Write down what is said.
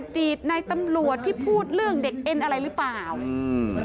ดีตในตำรวจที่พูดเรื่องเด็กเอ็นอะไรหรือเปล่าอืม